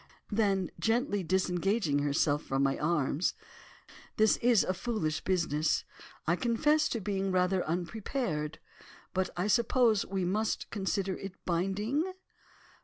Then gently, disengaging herself from my arms, 'This is a foolish business. I confess to being rather unprepared, but I suppose we must consider it binding?